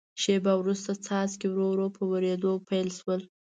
شیبه وروسته څاڅکي ورو ورو په ورېدو پیل شول.